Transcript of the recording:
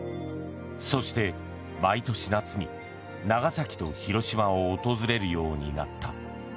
そして、毎年夏に長崎と広島を訪れるようになった。